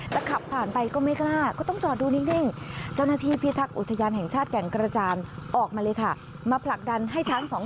ถ้าขับผ่านไปก็ไม่กล้าก็ต้องจอดดูนิ่ง